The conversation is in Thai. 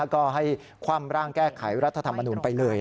ก็ให้คว่ำร่างแก้ไขรัฐธรรมนุนไปเลย